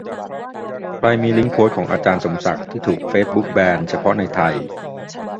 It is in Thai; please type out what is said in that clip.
ใครมีลิงก์โพสต์ของอาจารย์สมศักดิ์ที่ถูกเฟซบุ๊กแบน เฉพาะในไทย